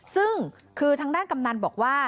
ซึ่งคือทางด้านกำนันบอกว่า